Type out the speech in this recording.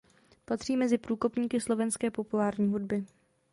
Patří mezi průkopníky slovenské populární hudby.